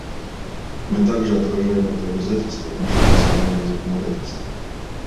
Мы также отражаем это обязательство в нашем национальном законодательстве.